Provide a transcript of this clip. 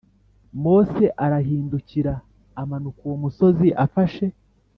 Mose arahindukira amanuka uwo musozi afashe